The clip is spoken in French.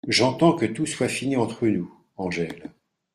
J’entends que tout soit fini entre nous !" Angèle .